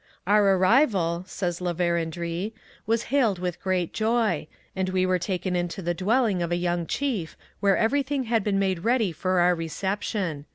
'Our arrival,' says La Vérendrye, 'was hailed with great joy, and we were taken into the dwelling of a young chief, where everything had been made ready for our reception.